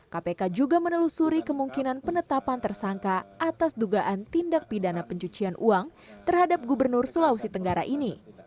kpk juga menelusuri kemungkinan penetapan tersangka atas dugaan tindak pidana pencucian uang terhadap gubernur sulawesi tenggara ini